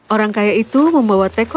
orang kaya itu membawa teko teh kembali